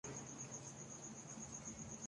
رنجش رکھتا ہوں